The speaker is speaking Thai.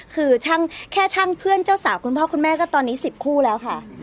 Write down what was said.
คือแค่ช่างเพื่อนเจ้าสาวคุณพ่อคุณแม่ก็ตอนนี้๑๐คู่แล้วค่ะ